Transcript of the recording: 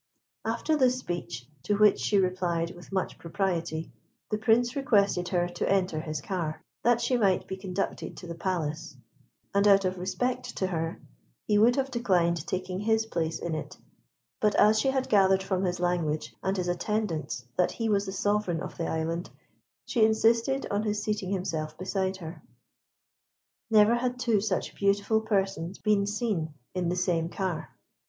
After this speech, to which she replied with much propriety, the Prince requested her to enter his car, that she might be conducted to the palace; and out of respect to her, he would have declined taking his place in it, but as she had gathered from his language and his attendants that he was the sovereign of the island, she insisted on his seating himself beside her. Never had two such beautiful persons been seen in the same car.